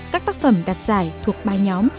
các tác phẩm đặt giải thuộc ba nhóm